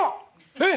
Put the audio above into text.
えっ！？